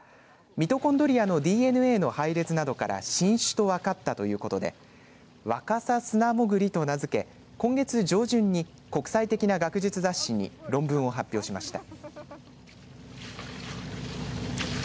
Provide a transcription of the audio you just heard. ミトコンドリアのＤＮＡの配列などから新種と分かったということでワカサスナモグリと名付け今月上旬に国際的な学術雑誌に論文を発表しました。